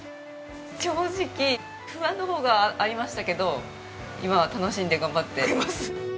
正直不安の方がありましたけど今は楽しんで頑張っております。